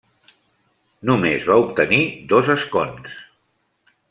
Només va obtenir dos escons.